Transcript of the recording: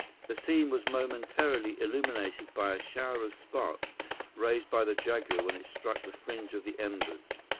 The scene was momentarily illuminated by a shower of sparks raised by the jaguar when it struck the fringe of the embers.